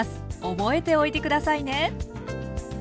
覚えておいて下さいね。